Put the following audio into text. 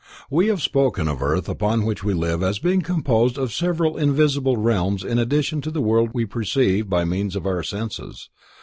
We have spoken of the earth upon which we live as being composed of several invisible realms in addition to the world we perceive by means of our senses.